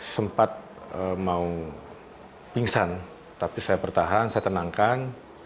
sempat mau pingsan tapi saya bertahan saya tenangkan